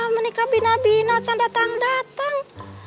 menikah bina bina akan datang datang